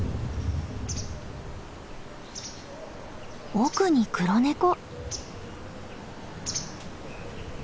奥に黒ネコ。